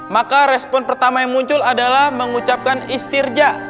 maka respon pertama yang muncul adalah mengucapkan istirja